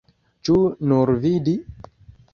Ĉu nur vidi?